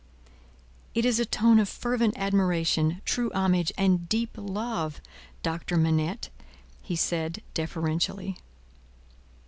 "It is a tone of fervent admiration, true homage, and deep love, Doctor Manette!" he said deferentially.